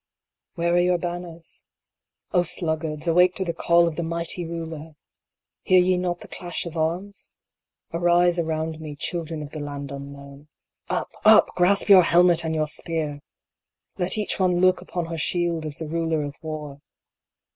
Where are your banners ? O sluggards, awake to the call of the Mighty Ruler ! Hear ye not the clash of arms ? Arise around me. chil dren of the Land Unknown. Up, up, grasp your helmet and your spear ! Let each one look upon her shield as the ruler of War.